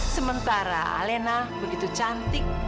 sementara alena begitu cantik